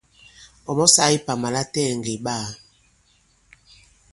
Ɔ̀ mɔ sāā ipàmà latɛɛ̀ ŋgè ɓaā.